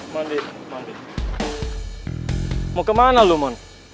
mau kemana lu mon